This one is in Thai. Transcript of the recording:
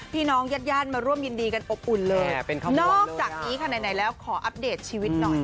พี่น้องยัดย่านมาร่วมยินดีกันปบอุ่นเลยเป็นข้อมูลนอกจากอีสานในไหนแล้วขออัปเดตชีวิตหน่อย